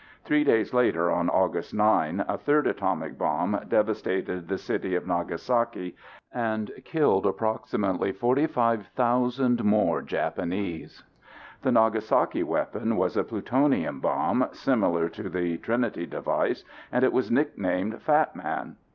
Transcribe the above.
Three days later on August 9, a third atomic bomb devastated the city of Nagasaki and killed approximately 45,000 more Japanese. The Nagasaki weapon was a plutonium bomb, similar to the Trinity device, and it was nicknamed Fat Man.